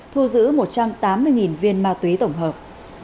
thu giữ một trăm tám mươi viên ma túy tổng hợp